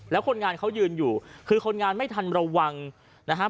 แล้วคนงานเขายืนอยู่คือคนงานไม่ทันระวังนะครับ